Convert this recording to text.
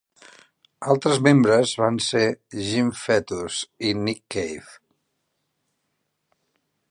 Altres membres van ser Jim Foetus i Nick Cave.